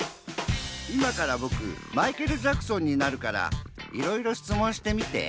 いまからぼくマイケル・ジャクソンになるからいろいろしつもんしてみて。